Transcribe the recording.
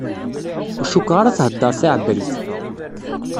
Ur cukkeɣ ara thedder taɛebrit.